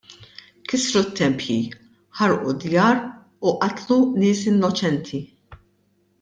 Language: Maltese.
Kissru t-tempji, ħarqu d-djar u qatlu nies innoċenti.